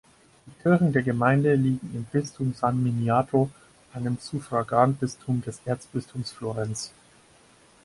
Die Kirchen der Gemeinde liegen im Bistum San Miniato, einem Suffraganbistum des Erzbistums Florenz.